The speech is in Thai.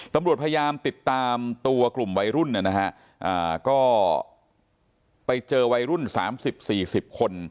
ตำรวจพยายามติดตามตัวกลุ่มวัยรุ่นนะฮะก็ไปเจอวัยรุ่น๓๐๔๐คน